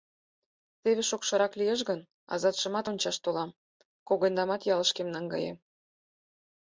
Теве шокшырак лиеш гын, азатшымат ончаш толам, когыньдамат ялышкем наҥгаем.